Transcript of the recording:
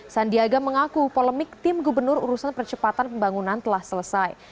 sandiaga mengaku polemik tim gubernur urusan percepatan pembangunan telah selesai